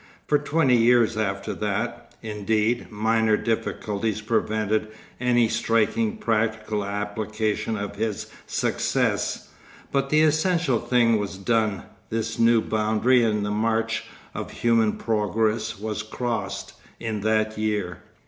For twenty years after that, indeed, minor difficulties prevented any striking practical application of his success, but the essential thing was done, this new boundary in the march of human progress was crossed, in that year.